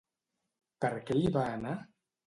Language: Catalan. Per què hi va anar?